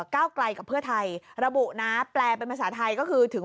ก้าวไกลกับเพื่อไทยระบุนะแปลเป็นภาษาไทยก็คือถึง